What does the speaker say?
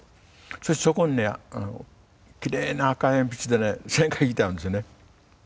そしてそこにねきれいな赤鉛筆でね線が引いてあるんですよね。